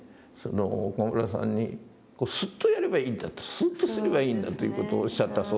岡村さんにこう「スッとやればいいんだ」と「スッとすればいいんだ」という事をおっしゃったそうですけども。